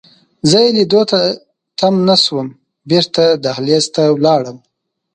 زه یې لیدو ته تم نه شوم، بیرته دهلېز ته ولاړم.